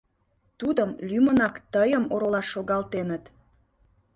Тудым лӱмынак тыйым оролаш шогалтеныт.